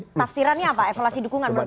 tafsirannya apa evaluasi dukungan menurut anda